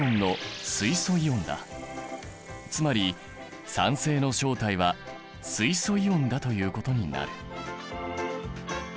つまり酸性の正体は水素イオンだということになる。